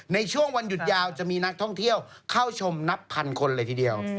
ในช่วงวันหยุดยาวจะมีนักท่องเที่ยวเข้าชมนับพันคนเลยทีเดียว